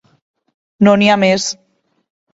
No n'hi ha més.